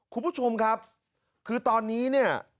คุณผู้ชมครับคือตอนนี้เนี่ย